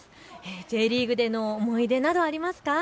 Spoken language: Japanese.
Ｊリーグでの思い出などありますか。